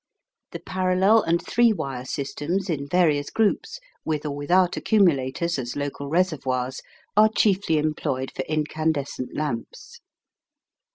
The parallel and three wire systems in various groups, with or without accumulators as local reservoirs, are chiefly employed for incandescent lamps.